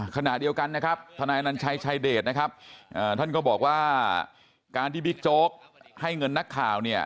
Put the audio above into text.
ขณะเดียวกันนะครับทนายอนัญชัยชายเดชนะครับท่านก็บอกว่าการที่บิ๊กโจ๊กให้เงินนักข่าวเนี่ย